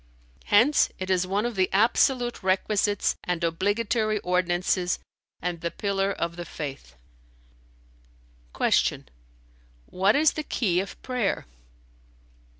Hence it is one of the absolute requisites and obligatory ordinances and the pillar of the Faith." Q "What is the key of prayer?"